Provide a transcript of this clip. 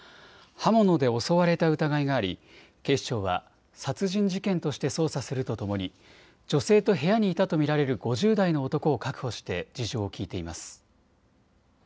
刃物で襲われた疑いがあり警視庁は殺人事件として捜査するとともに女性と部屋にいたと見られる５０代の男を確保して事情を聴いています。